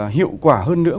hiệu quả hơn nữa